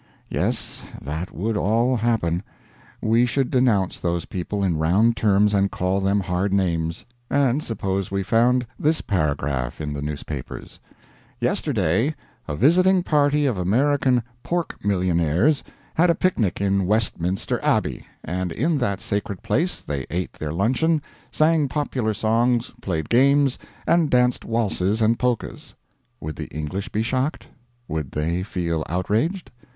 Yes, that would all happen. We should denounce those people in round terms, and call them hard names. And suppose we found this paragraph in the newspapers: "Yesterday a visiting party of American pork millionaires had a picnic in Westminster Abbey, and in that sacred place they ate their luncheon, sang popular songs, played games, and danced waltzes and polkas." Would the English be shocked? Would they feel outraged?